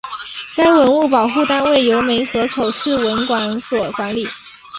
该文物保护单位由梅河口市文管所管理。